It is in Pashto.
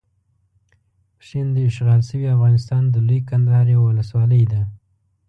پشین داشغال شوي افغانستان د لويې کندهار یوه ولسوالۍ ده.